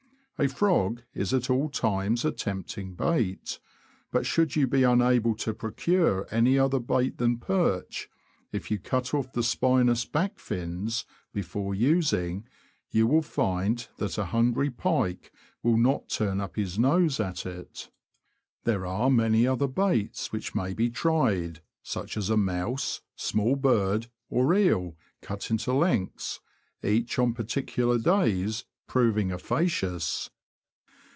A frog is at all times a tempting bait ; but should you be unable to procure any other bait than perch, if you cut off the spinous back fins before using, you will find that a hungry pike will not turn up his nose at it. There are many other baits which may be tried, such as a mouse, small bird, or eel cut into lengths, each on particular days proving efficacious.